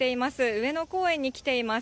上野公園に来ています。